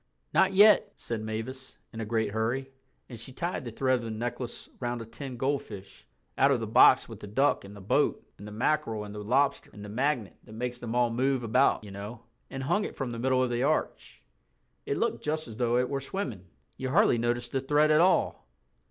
"Not yet," said Mavis, in a great hurry, and she tied the thread of the necklace round a tin goldfish (out of the box with the duck and the boat and the mackerel and the lobster and the magnet that makes them all move about—you know) and hung it from the middle of the arch. It looked just as though it were swimming—you hardly noticed the thread at all.